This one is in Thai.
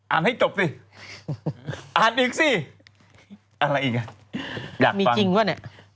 ให้จบสิอ่านอีกสิอะไรอีกอ่ะอยากมีจริงป่ะเนี่ย